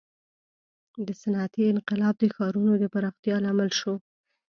• صنعتي انقلاب د ښارونو د پراختیا لامل شو.